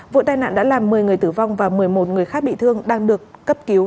vụ tai nạn đã làm một mươi người tử vong và một mươi một người khác bị thương đang được cấp cứu